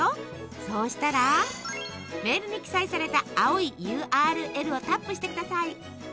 そうしたらメールに記載された青いＵＲＬをタップしてください。